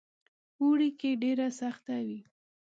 اوړي کې ډېره سخته وي.